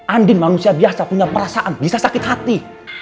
andin manusia biasa punya perasaan bisa sakit hati